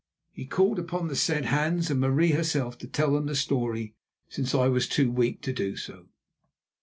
He called upon the said Hans and Marie herself to tell them the story, since I was too weak to do so.